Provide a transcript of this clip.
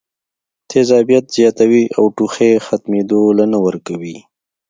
تېزابيت زياتوي او ټوخی ختمېدو له نۀ ورکوي